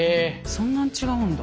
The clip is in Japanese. そんなに違うんだ。